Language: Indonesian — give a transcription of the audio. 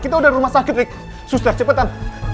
kita udah rumah sakit rick sus cepetan